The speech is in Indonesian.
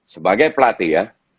sebagai pelatih ya